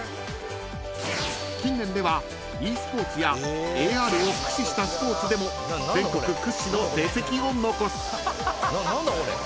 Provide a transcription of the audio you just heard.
［近年ではｅスポーツやＡＲを駆使したスポーツでも全国屈指の成績を残す］